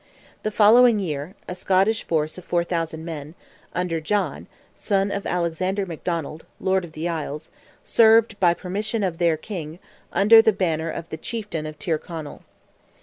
The following year, a Scottish force of 4,000 men, under John, son of Alexander McDonald, Lord of the Isles, served, by permission of their King, under the banner of the Chieftain of Tyrconnell.